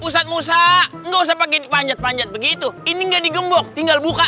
pusat musa enggak usah pakai panjat panjat begitu ini enggak digembok tinggal buka